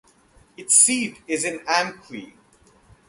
Its seat is in Amqui.